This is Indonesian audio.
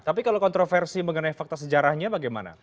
tapi kalau kontroversi mengenai fakta sejarahnya bagaimana